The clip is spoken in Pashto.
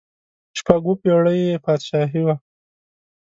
شپږ اووه پړۍ یې بادشاهي وه.